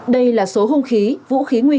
đây là số hông khí